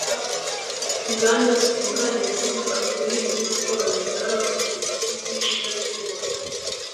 inganda zitunganya ibikomoka ku buhinzi n'ubworozi zaravuguruwe n'izindi nshya zirubakwa